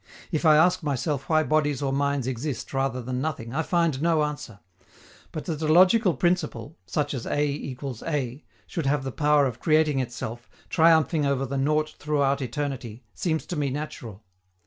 If I ask myself why bodies or minds exist rather than nothing, I find no answer; but that a logical principle, such as A=A, should have the power of creating itself, triumphing over the nought throughout eternity, seems to me natural.